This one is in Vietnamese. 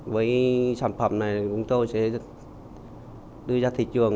với sản phẩm này chúng tôi sẽ đưa ra thị trường